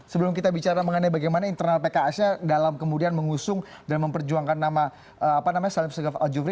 sebelum kita bicara mengenai bagaimana internal pks nya dalam kemudian mengusung dan memperjuangkan nama salim segaf al jufri